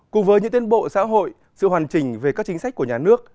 cùng với những tiến bộ xã hội sự hoàn chỉnh về các chính sách của nhà nước